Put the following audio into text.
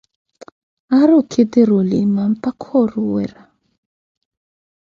Aari okhitiri olima mpakha oruwera.